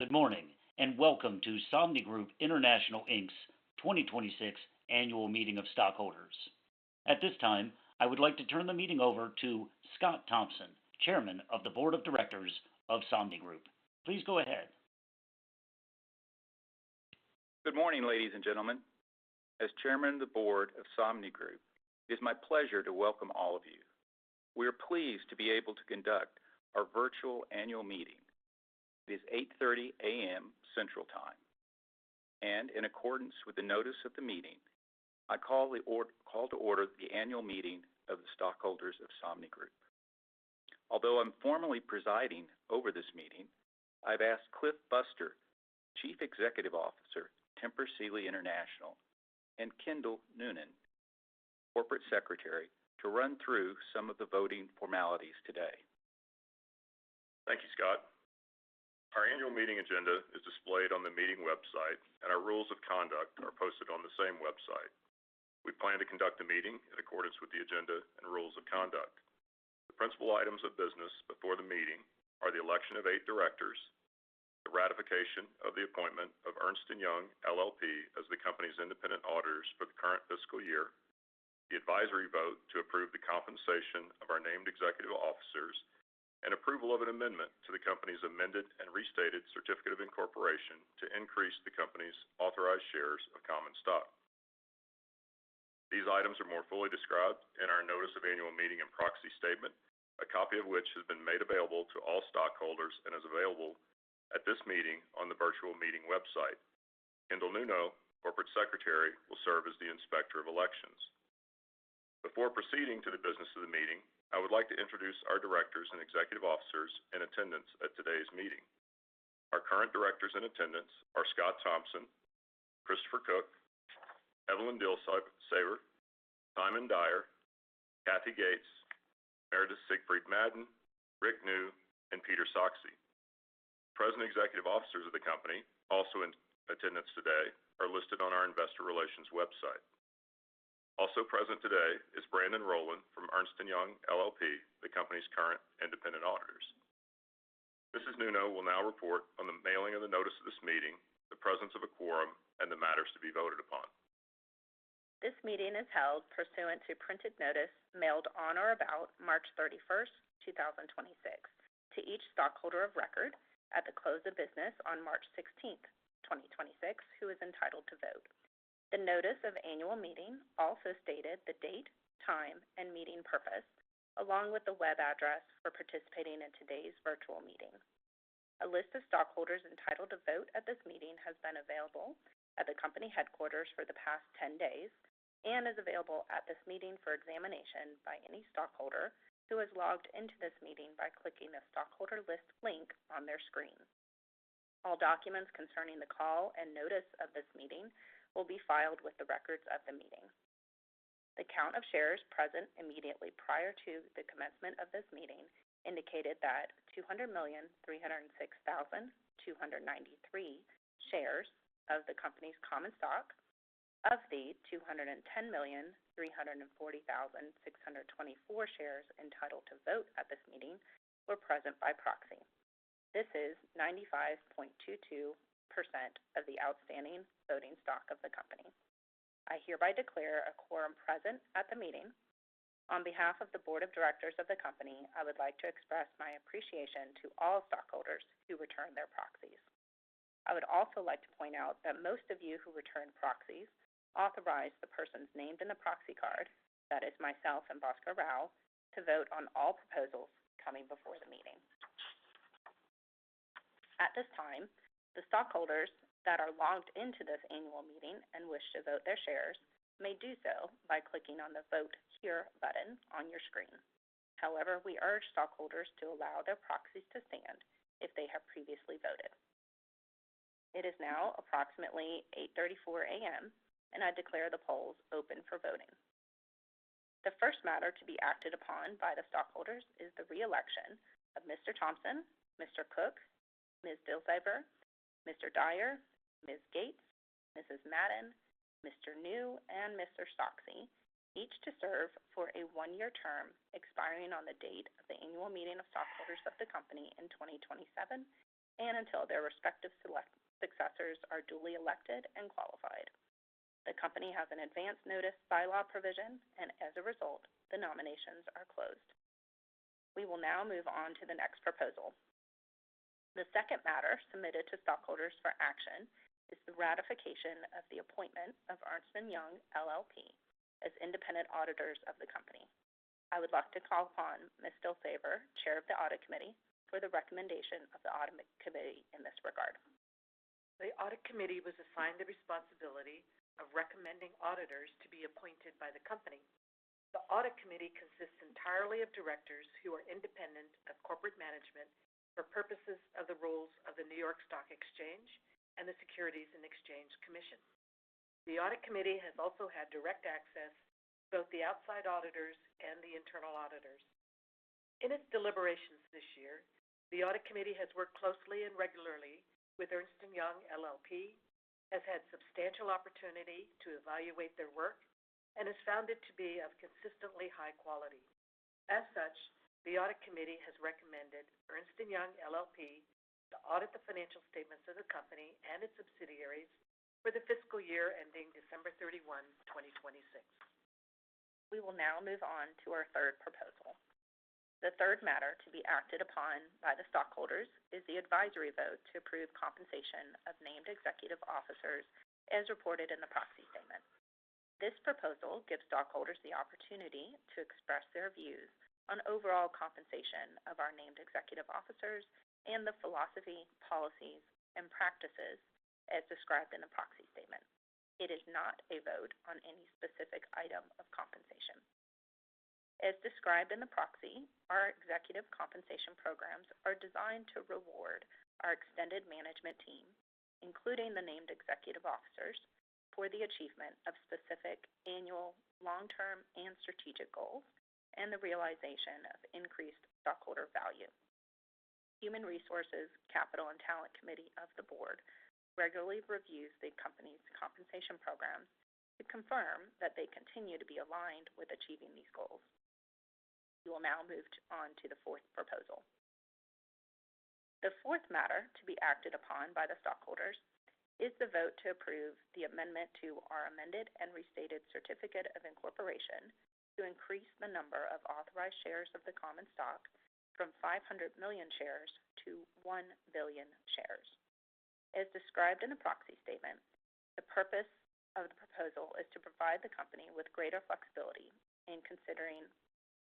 Good morning, welcome to Somnigroup International Inc.'s 2026 Annual Meeting of Stockholders. At this time, I would like to turn the meeting over to Scott Thompson, Chairman of the Board of Directors of Somnigroup. Please go ahead. Good morning, ladies and gentlemen. As Chairman of the Board of Somnigroup International, it is my pleasure to welcome all of you. We are pleased to be able to conduct our virtual annual meeting. It is 8:30 A.M. Central Time, and in accordance with the notice of the meeting, I call to order the annual meeting of the stockholders of Somnigroup International. Although I'm formally presiding over this meeting, I've asked Cliff Buster, Chief Executive Officer, Tempur Sealy International, and Kindel Nuño, Corporate Secretary, to run through some of the voting formalities today. Thank you, Scott. Our annual meeting agenda is displayed on the meeting website, and our rules of conduct are posted on the same website. We plan to conduct the meeting in accordance with the agenda and rules of conduct. The principal items of business before the meeting are the election of eight directors, the ratification of the appointment of Ernst & Young LLP as the company's independent auditors for the current fiscal year, the advisory vote to approve the compensation of our named executive officers, and approval of an amendment to the company's amended and restated certificate of incorporation to increase the company's authorized shares of common stock. These items are more fully described in our notice of annual meeting and proxy statement, a copy of which has been made available to all stockholders and is available at this meeting on the virtual meeting website. Kindel Nuño, Corporate Secretary, will serve as the inspector of elections. Before proceeding to the business of the meeting, I would like to introduce our directors and executive officers in attendance at today's meeting. Our current directors in attendance are Scott Thompson, Christopher Cook, Evelyn Dilsaver, Simon Dyer, Cathy Gates, Meredith Siegfried Madden, Richard Neu, and Peter Sachse. Present executive officers of the company also in attendance today are listed on our investor relations website. Also present today is Brandon Rowland from Ernst & Young LLP, the company's current independent auditors. Ms. Nuño will now report on the mailing of the notice of this meeting, the presence of a quorum, and the matters to be voted upon. This meeting is held pursuant to printed notice mailed on or about March 31st, 2026 to each stockholder of record at the close of business on March 16th, 2026, who is entitled to vote. The notice of annual meeting also stated the date, time, and meeting purpose, along with the web address for participating in today's virtual meeting. A list of stockholders entitled to vote at this meeting has been available at the company headquarters for the past 10 days and is available at this meeting for examination by any stockholder who has logged into this meeting by clicking the Stockholder List link on their screen. All documents concerning the call and notice of this meeting will be filed with the records of the meeting. The count of shares present immediately prior to the commencement of this meeting indicated that 200,306,293 shares of the company's common stock. Of these, 210,340,624 shares entitled to vote at this meeting were present by proxy. This is 95.22% of the outstanding voting stock of the company. I hereby declare a quorum present at the meeting. On behalf of the Board of Directors of the company, I would like to express my appreciation to all stockholders who returned their proxies. I would also like to point out that most of you who returned proxies authorized the persons named in the proxy card, that is myself and Bhaskar Rao, to vote on all proposals coming before the meeting. At this time, the stockholders that are logged into this annual meeting and wish to vote their shares may do so by clicking on the Vote Here button on your screen. However, we urge stockholders to allow their proxies to stand if they have previously voted. It is now approximately 8:34 A.M., and I declare the polls open for voting. The first matter to be acted upon by the stockholders is the re-election of Mr. Thompson, Mr. Cook, Ms. Dilsaver, Mr. Dyer, Ms. Gates, Mrs. Madden, Mr. Neu, and Mr. Sachse, each to serve for a one-year term expiring on the date of the annual meeting of stockholders of the company in 2027 and until their respective successors are duly elected and qualified. The company has an advance notice bylaw provision, and as a result, the nominations are closed. We will now move on to the next proposal. The second matter submitted to stockholders for action is the ratification of the appointment of Ernst & Young LLP as independent auditors of the company. I would like to call upon Ms. Dilsaver, Chair of the Audit Committee, for the recommendation of the Audit Committee in this regard. The audit committee was assigned the responsibility of recommending auditors to be appointed by the company. The audit committee consists entirely of directors who are independent of corporate management for purposes of the rules of the New York Stock Exchange and the Securities and Exchange Commission. The audit committee has also had direct access to both the outside auditors and the internal auditors. In its deliberations this year, the audit committee has worked closely and regularly with Ernst & Young LLP has had substantial opportunity to evaluate their work and has found it to be of consistently high quality. As such, the Audit Committee has recommended Ernst & Young LLP to audit the financial statements of the company and its subsidiaries for the fiscal year ending December 31, 2026. We will now move on to our third proposal. The third matter to be acted upon by the stockholders is the advisory vote to approve compensation of named executive officers as reported in the proxy statement. This proposal gives stockholders the opportunity to express their views on overall compensation of our named executive officers and the philosophy, policies, and practices as described in the proxy statement. It is not a vote on any specific item of compensation. As described in the proxy, our executive compensation programs are designed to reward our extended management team, including the named executive officers, for the achievement of specific annual, long-term, and strategic goals and the realization of increased stockholder value. The Human Resources, Capital and Talent Committee of the Board regularly reviews the company's compensation programs to confirm that they continue to be aligned with achieving these goals. We will now move on to the fourth proposal. The fourth matter to be acted upon by the stockholders is the vote to approve the amendment to our amended and restated certificate of incorporation to increase the number of authorized shares of the common stock from 500 million shares to 1 billion shares. As described in the proxy statement, the purpose of the proposal is to provide the company with greater flexibility in considering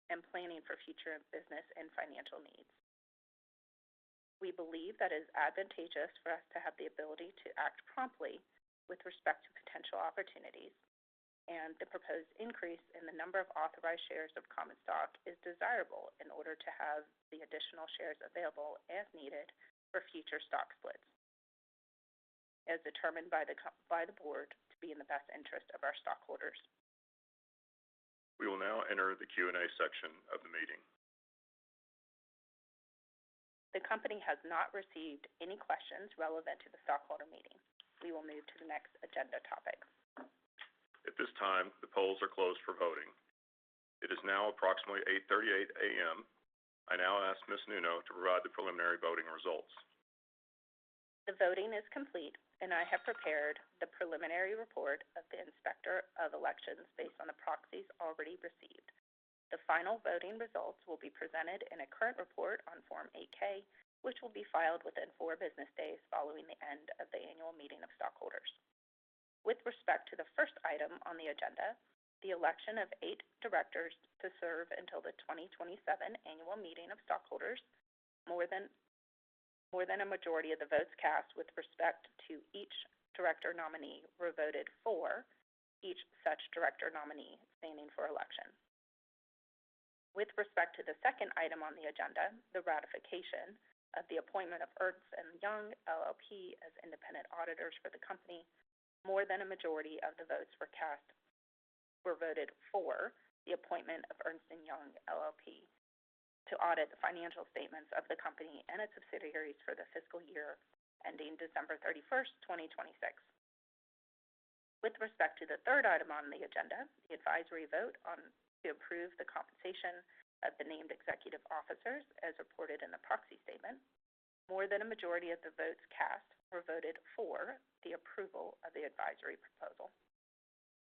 and planning for future business and financial needs. We believe that it's advantageous for us to have the ability to act promptly with respect to potential opportunities, and the proposed increase in the number of authorized shares of common stock is desirable in order to have the additional shares available as needed for future stock splits, as determined by the board to be in the best interest of our stockholders. We will now enter the Q&A section of the meeting. The company has not received any questions relevant to the stockholder meeting. We will move to the next agenda topic. At this time, the polls are closed for voting. It is now approximately 8:38 A.M. I now ask Ms. Nuño to provide the preliminary voting results. The voting is complete. I have prepared the preliminary report of the Inspector of Elections based on the proxies already received. The final voting results will be presented in a current report on Form 8-K, which will be filed within four business days following the end of the annual meeting of stockholders. With respect to the first item on the agenda, the election of eight directors to serve until the 2027 annual meeting of stockholders, more than a majority of the votes cast with respect to each director nominee were voted for each such director nominee standing for election. With respect to the second item on the agenda, the ratification of the appointment of Ernst & Young LLP as independent auditors for the company, more than a majority of the votes were voted for the appointment of Ernst & Young LLP to audit the financial statements of the company and its subsidiaries for the fiscal year ending December 31st, 2026. With respect to the third item on the agenda, the advisory vote to approve the compensation of the named executive officers as reported in the proxy statement, more than a majority of the votes cast were voted for the approval of the advisory proposal.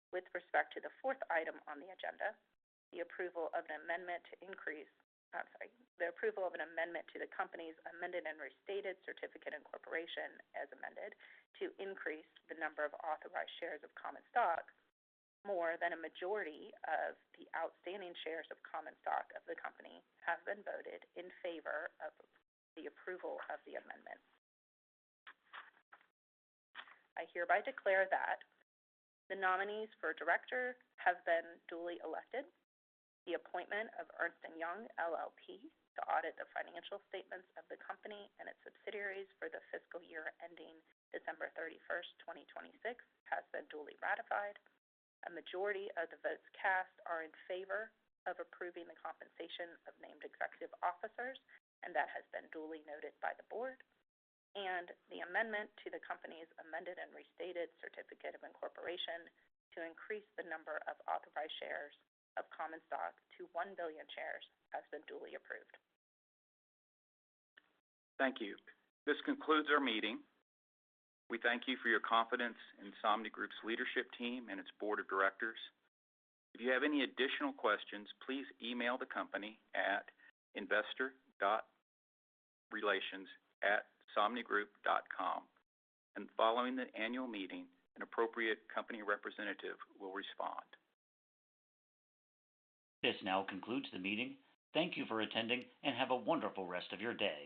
With respect to the fourth item on the agenda, the approval of an amendment to increase I'm sorry. The approval of an amendment to the company's amended and restated certificate of incorporation, as amended, to increase the number of authorized shares of common stock, more than a majority of the outstanding shares of common stock of the company have been voted in favor of the approval of the amendment. I hereby declare that the nominees for director have been duly elected. The appointment of Ernst & Young LLP to audit the financial statements of the company and its subsidiaries for the fiscal year ending December 31st, 2026, has been duly ratified. A majority of the votes cast are in favor of approving the compensation of named executive officers. That has been duly noted by the board. The amendment to the company's amended and restated certificate of incorporation to increase the number of authorized shares of common stock to 1 billion shares has been duly approved. Thank you. This concludes our meeting. We thank you for your confidence in Somnigroup's leadership team and its board of directors. If you have any additional questions, please email the company at investor.relations@somnigroup.com. Following the annual meeting, an appropriate company representative will respond. This now concludes the meeting. Thank you for attending, and have a wonderful rest of your day.